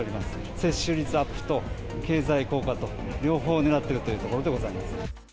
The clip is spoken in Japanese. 接種率アップと、経済効果と、両方狙ってるというところでございます。